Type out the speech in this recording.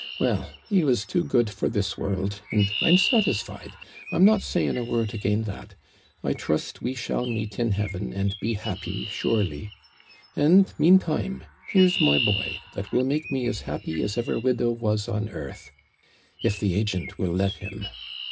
Well, he was too good for this world, and I'm satisfied I'm not saying a word again' that I trust we shall meet in heaven, and be happy, surely. And, meantime, here's my boy, that will make me as happy as ever widow was on earth if the agent will let him.